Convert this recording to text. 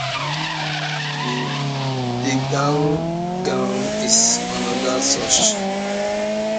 The "gangan" is another such.